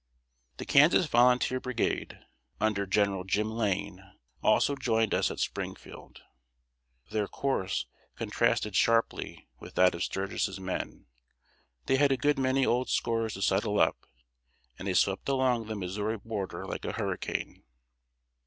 ] The Kansas volunteer brigade, under General "Jim" Lane, also joined us at Springfield. Their course contrasted sharply with that of Sturgis's men. They had a good many old scores to settle up, and they swept along the Missouri border like a hurricane.